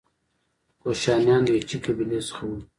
کوشانیان د یوچي قبیلې څخه وو